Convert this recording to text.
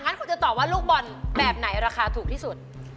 อ่ะงั้นคุณจะตอบว่าลูกบ่อนแบบไหนราคาถูกที่สุด